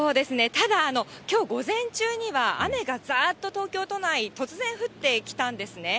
ただ、きょう午前中には雨がざーっと東京都内、突然降ってきたんですね。